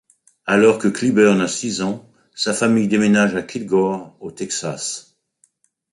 Alors que Cliburn a six ans, sa famille déménage à Kilgore, au Texas.